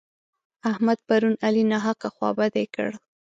احمد پرون علي ناحقه خوابدی کړ.